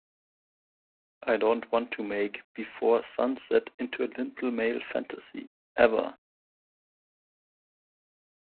I don't want to make "Before Sunset" into a little male fantasy, ever.